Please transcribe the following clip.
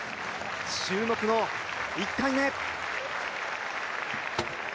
注目の１回目。